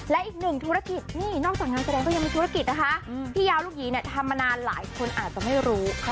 และอีกหนึ่งธุรกิจนี่นอกจากงานแสดงก็ยังมีธุรกิจนะคะพี่ยาวลูกหยีเนี่ยทำมานานหลายคนอาจจะไม่รู้